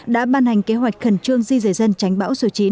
đã ban hành kế hoạch khẩn trương di rời dân tránh bão số chín